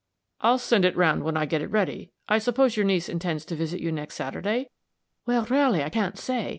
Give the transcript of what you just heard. "I'll send it round when I get it ready. I suppose your niece intends to visit you next Saturday?" "Well, ra'ly, I can't say.